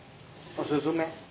おすすめ？